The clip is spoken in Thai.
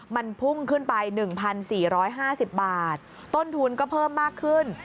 มันพุ่งขึ้นไป๑๔๕๐บาทต้นทุนก็เพิ่มมากขึ้น